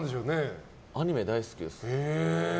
アニメ大好きです。